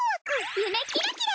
夢キラキラ！